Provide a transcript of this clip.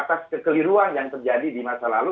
atas kekeliruan yang terjadi di masa lalu